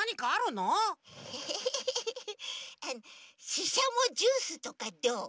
ししゃもジュースとかどう？